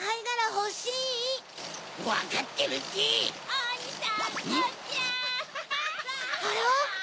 あら？